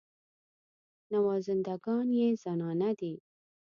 نوازنده ګان یې زنانه دي.